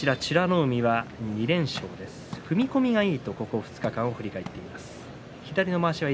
海は２連勝踏み込みがいいとここ２日間を振り返っています。